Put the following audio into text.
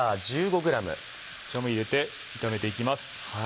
調味料を入れて炒めていきます。